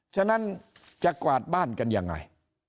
ฉะนั้นจะกวาดบ้านกันยังไง